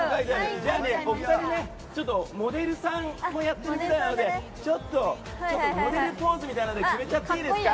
じゃあ、お二人はモデルさんもやってるのでちょっと、モデルポーズで決めちゃっていいですか？